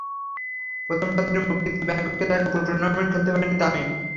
প্রথম সন্তানের মুখ দেখতে ব্যাংককে থাকায় পুরো টুর্নামেন্ট খেলতে পারেননি তামিম।